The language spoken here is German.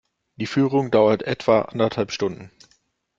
Die Führung dauert etwa anderthalb Stunden.